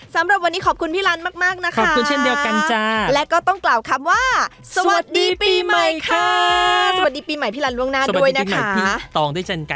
สำหรับวันนี้ขอบคุณพี่ลันมากนะคะแล้วก็ต้องกล่าวคำว่าสวัสดีปีใหม่ค่ะสวัสดีปีใหม่พี่ลันล่วงหน้าด้วยนะคะ